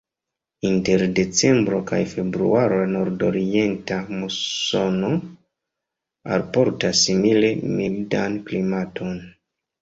Inter decembro kaj februaro la nordorienta musono alportas simile mildan klimaton.